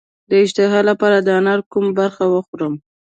د اشتها لپاره د انار کومه برخه وخورم؟